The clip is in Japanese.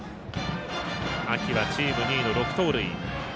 秋はチーム２位の６盗塁。